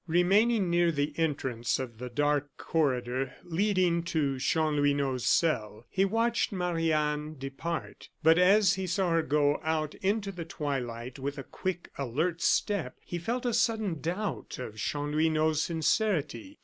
Remaining near the entrance of the dark corridor leading to Chanlouineau's cell, he watched Marie Anne depart; but as he saw her go out into the twilight with a quick, alert step, he felt a sudden doubt of Chanlouineau's sincerity.